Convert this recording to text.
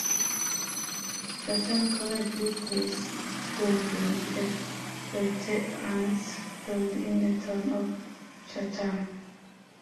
Chatham currently plays its home games at Veteran's Field in the town of Chatham.